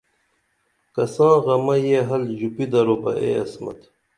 کساں غمہ یہ حل ژُپی درو بہ اے عصمت